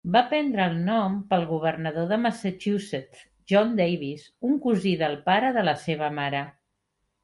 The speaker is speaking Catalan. Va prendre el nom pel governador de Massachusetts, John Davis, un cosí del pare de la seva mare.